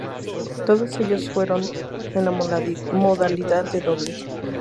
Todos ellos fueron en la modalidad de dobles.